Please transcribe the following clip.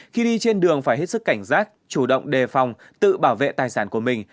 khi đi trên đường phải hết sức cảnh giác chủ động đề phòng tự bảo vệ tài sản của mình